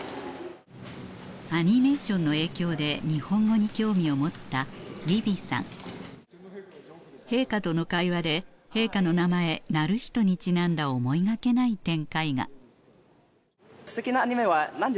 アニメーションの影響で日本語に興味を持ったウィビさん陛下との会話で陛下の名前徳仁にちなんだ思いがけない展開がありましたか？